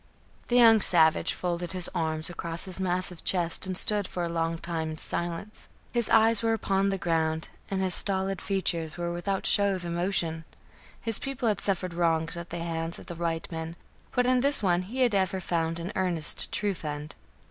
The young savage folded his arms across his massive chest and stood for a long time in silence. His eyes were upon the ground, and his stolid features were without show of emotion. His people had suffered wrongs at the hands of the white men; but in this one he had ever found an earnest, true friend.